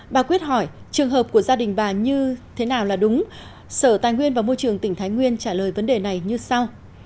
bà quyết hỏi trường hợp của gia đình bà như thế nào là đúng sở tài nguyên và môi trường tỉnh thái nguyên trả lời vấn đề này như sau